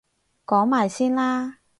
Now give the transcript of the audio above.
講埋先啦